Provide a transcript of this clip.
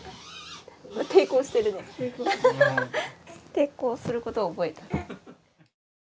抵抗することを覚えた。